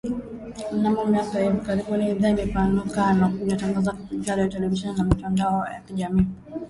Mnamo miaka ya hivi karibuni idhaa imepanuka na inatangaza kupitia redio, televisheni na mitandao ya kijamii.